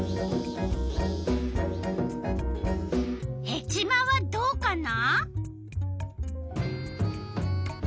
ヘチマはどうかな？